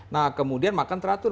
nah kemudian makan teratur